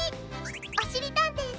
おしりたんていさん